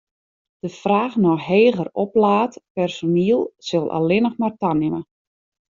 De fraach nei heger oplaat personiel sil allinnich mar tanimme.